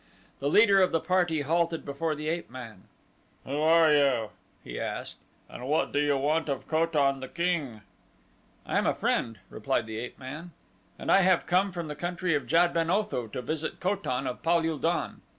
The leader of the party halted before the ape man. "Who are you?" he asked, "and what do you want of Ko tan, the king?" "I am a friend," replied the ape man, "and I have come from the country of Jad ben Otho to visit Ko tan of Pal ul don."